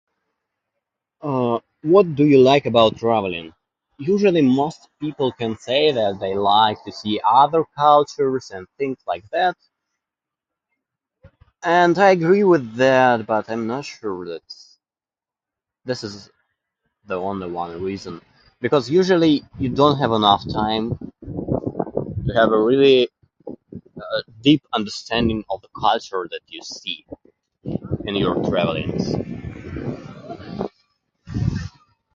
Uh, what do you like about traveling? Usually, most people can say that they like to see other cultures and things like that, and I agree with that. But I'm not sure that this is the only one reason. Because usually you don't have enough time to have a really, uh, deep understanding of the culture that you see in your travelings.